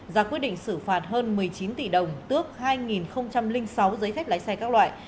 ra quyết định xử phạt hơn một mươi chín tỷ đồng tước hai sáu giấy phép lái xe các loại